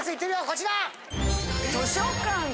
こちら！